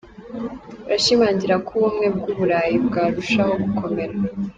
Birashimangira ko Ubumwe bw'uburayi bwarushaho gukomera.